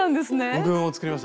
僕も作りました。